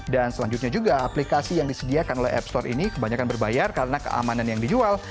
dan selanjutnya juga aplikasi yang disediakan oleh app store ini kebanyakan berbayar karena keamanan yang dijual